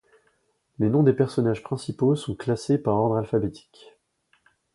Les noms des personnages principaux sont classés par ordre alphabétique.